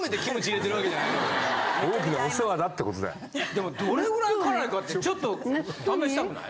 でもどれぐらい辛いかってちょっと試したくない？